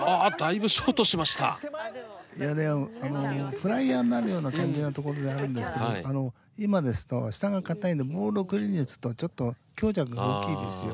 フライヤーになるような感じな所があるんですけど今ですと下が硬いんでボールをクリーンに打つとちょっと強弱がおっきいですよ。